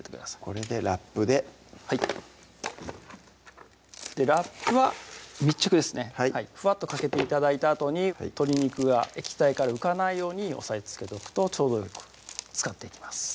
これでラップではいラップは密着ですねフワッとかけて頂いたあとに鶏肉が液体から浮かないように押さえつけておくとちょうどよく漬かっていきます